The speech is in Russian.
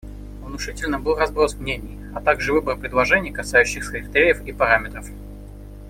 Внушительным был разброс мнений, а также выбор предложений, касающихся критериев и параметров.